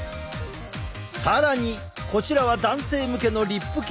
更にこちらは男性向けのリップケア製品。